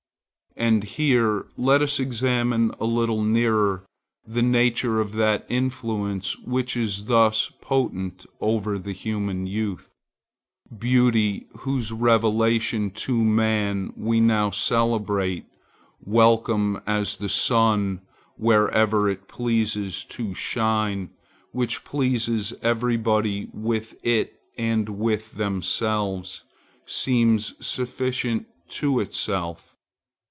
And here let us examine a little nearer the nature of that influence which is thus potent over the human youth. Beauty, whose revelation to man we now celebrate, welcome as the sun wherever it pleases to shine, which pleases everybody with it and with themselves, seems sufficient to itself.